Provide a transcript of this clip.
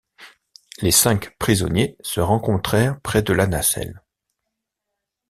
Les cinq prisonniers se rencontrèrent près de la nacelle.